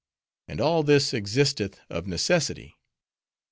And all this existeth of necessity.